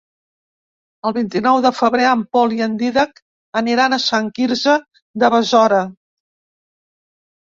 El vint-i-nou de febrer en Pol i en Dídac aniran a Sant Quirze de Besora.